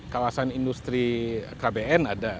kawasan industri kbn ada